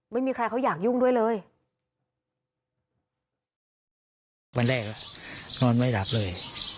ไม่มีใครเค้าอยากยุ่งด้วยเลย